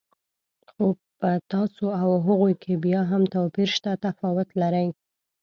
خو په تاسو او هغوی کې بیا هم توپیر شته، تفاوت لرئ.